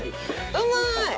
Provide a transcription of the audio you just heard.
うまい！